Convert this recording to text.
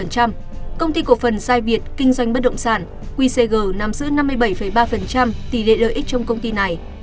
công ty cổ phần sai việt kinh doanh bất động sản qcg nắm giữ năm mươi bảy ba tỷ lệ lợi ích trong công ty này